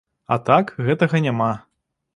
А так гэтага няма.